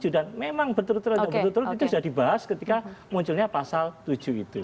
dan memang berturut turut itu sudah dibahas ketika munculnya pasal tujuh itu